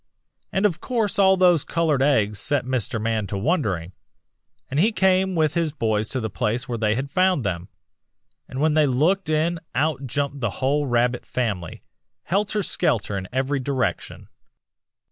"'And of course all those colored eggs set Mr. Man to wondering, and he came with his boys to the place where they had found them; and when they looked in out jumped the whole Rabbit family, helter skelter in every direction."